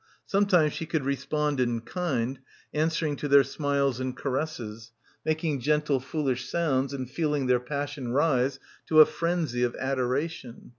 Sometimes she could respond in kind, answering to their smiles and caresses, making gentle foolish sounds and feeling their passion rise to a frenzy of adoration.